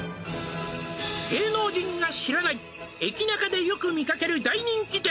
「芸能人が知らない駅ナカでよく見かける大人気店」